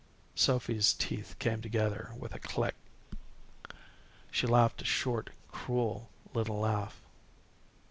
Sophy's teeth came together with a click. She laughed a short cruel little laugh.